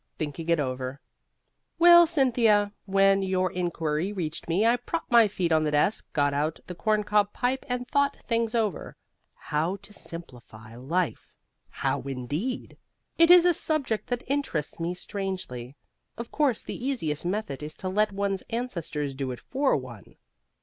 THINKING IT OVER Well, Cynthia, when your inquiry reached me I propped my feet on the desk, got out the corncob pipe and thought things over. How to simplify life? How, indeed! It is a subject that interests me strangely. Of course, the easiest method is to let one's ancestors do it for one.